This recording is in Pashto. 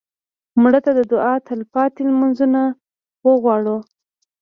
مړه ته د دعا تلپاتې لمونځونه غواړو